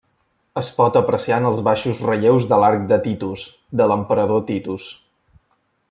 Es pot apreciar en els baixos relleus de l'Arc de Titus de l'emperador Titus.